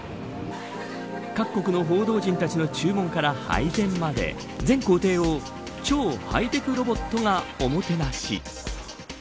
各国の報道陣の注文から配膳まで全行程を、超ハイテクロボットがおもてなし。